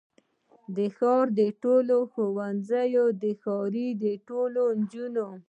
د ښار د ټولو ښځو، د ښار د ټولو نجونو